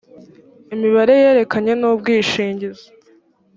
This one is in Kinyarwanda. imibare yerekeranye n ubwishingizi